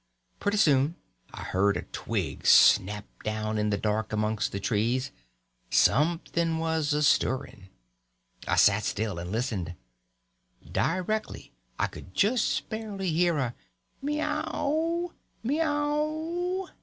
Pretty soon I heard a twig snap down in the dark amongst the trees—something was a stirring. I set still and listened. Directly I could just barely hear a "_me yow! me yow!